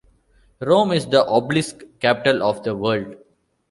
Rome is the obelisk capital of the world.